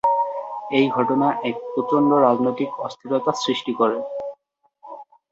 এই ঘটনা এক প্রচণ্ড রাজনৈতিক অস্থিরতা সৃষ্টি করে।